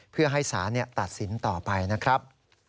เพื่อให้สารตัดสินต่อไปนะครับ